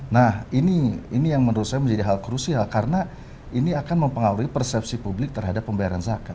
nah ini yang menurut saya menjadi hal krusial karena ini akan mempengaruhi persepsi publik terhadap pembayaran zakat